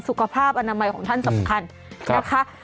สุขภาพอันตรายของท่านสำคัญนะคะ